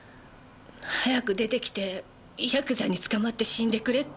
早く出てきてヤクザに捕まって死んでくれって。